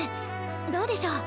どうでしょう？